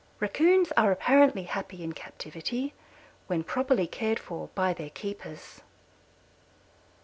Raccoons are apparently happy in captivity when properly cared for by their keepers.